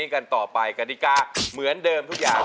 กันต่อไปกฎิกาเหมือนเดิมทุกอย่าง